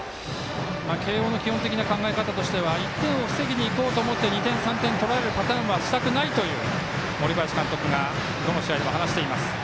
慶応の基本的な考え方としては１点を防ごうと思って２点、３点取られるパターンはしたくないという森林監督がどの試合でも話しています。